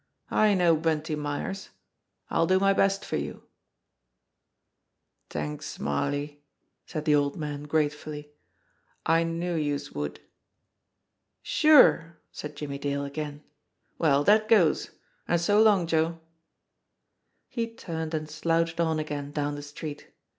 I know Bunty Myers. I'll do my best for you/' "T'anks, Smarly," said the old man gratefully. "I knew vouse would." "Sure!" said Jimmie Dale again. "Well, that goes and so long, Joe." He turned and slouched on again down the street.